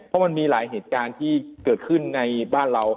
เพราะมันมีหลายเหตุการณ์ที่เกิดขึ้นในบ้านเรา